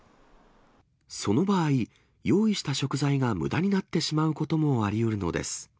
その場合、用意した食材がむだになってしまうこともありうるのです。